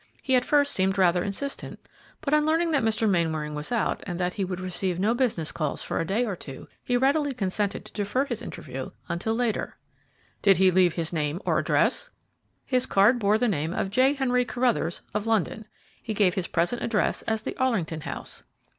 He at first seemed rather insistent, but, on learning that Mr. Mainwaring was out and that he would receive no business calls for a day or two, he readily consented to defer his interview until later." "Did he leave his name or address?" "His card bore the name of J. Henry Carruthers, of London. He gave his present address as the Arlington House."